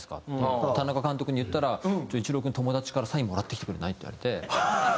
って田中監督に言ったら「じゃあ一郎君友達からサインもらってきてくれない？」って言われて。